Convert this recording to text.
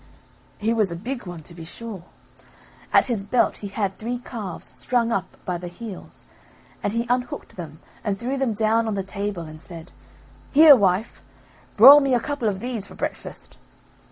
He was a big one, to be sure. At his belt he had three calves strung up by the heels, and he unhooked them and threw them down on the table and said: "Here, wife, broil me a couple of these for breakfast.